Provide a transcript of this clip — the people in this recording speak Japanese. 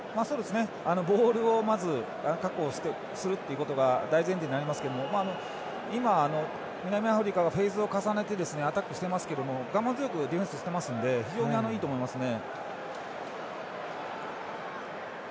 ボールをまず確保するということが大前提になりますけれども今、南アフリカがフェーズを重ねてアタックしていますけれども我慢強くディフェンスしてるので非常にいいと思いますね。